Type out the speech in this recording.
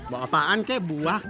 bawa apaan kek buah kek